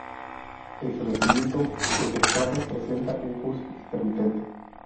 En su nacimiento, El Pescado presenta un curso intermitente.